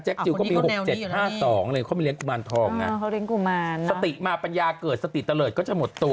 แจ็คจิลก็มี๖๗๕๒เลยเขามาเลี้ยงกุมารทองนะสติมาปัญญาเกิดสติเตลิดก็จะหมดตัว